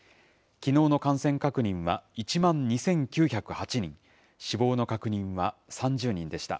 きのうの感染確認は１万２９０８人、死亡の確認は３０人でした。